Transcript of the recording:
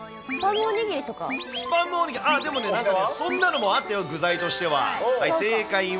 スパムおにぎり、あ、でもなんか、そんなのもあったよ、具材としては。